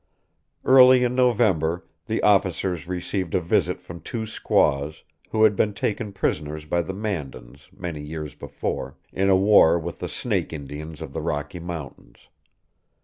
Early in November the officers received a visit from two squaws, who had been taken prisoners by the Mandans, many years before, in a war with the Snake Indians of the Rocky Mountains.